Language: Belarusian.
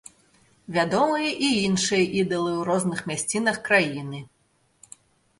Вядомыя і іншыя ідалы ў розных мясцінах краіны.